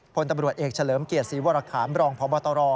พลตำรวจเอกเฉลิมเกียรติศรีวรคามรองพบตร